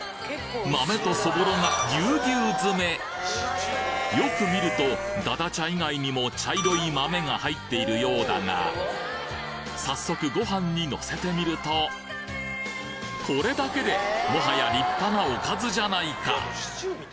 豆とそぼろがギュウギュウ詰めよく見るとだだちゃ以外にも茶色い豆が入っているようだが早速ご飯にのせてみるとこれだけでもはや立派なおかずじゃないか